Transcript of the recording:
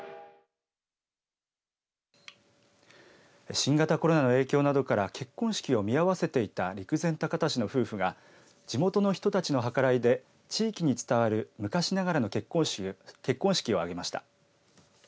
新型コロナの影響などから結婚式を見合わせていた陸前高田市の夫婦が地元の人たちの計らいで地域に伝わる昔ながらの結婚式を挙げました。